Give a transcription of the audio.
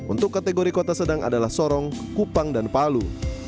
untuk kategori kota sedang adalah sorong kupang dan palu